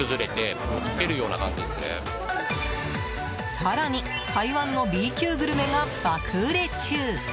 更に台湾のＢ級グルメが爆売れ中。